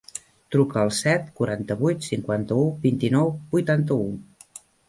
Truca al set, quaranta-vuit, cinquanta-u, vint-i-nou, vuitanta-u.